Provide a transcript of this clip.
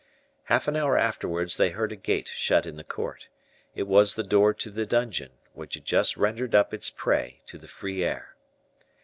Half an hour afterwards they heard a gate shut in the court; it was the door to the dungeon, which had just rendered up its prey to the free air.